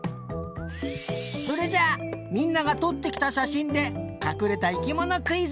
それじゃあみんながとってきたしゃしんでかくれた生きものクイズ！